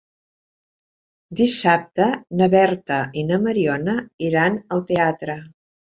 Dissabte na Berta i na Mariona iran al teatre.